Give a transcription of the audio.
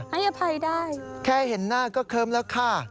ให้อภัยได้แค่เห็นหน้าก็เคิ้มแล้วค่ะ